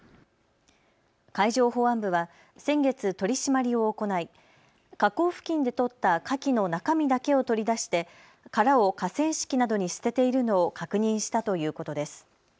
海上保安部は先月取り締まりを行い河口付近で採ったかきの中身だけを取り出して殻を河川敷などに捨てているのを確認したということです。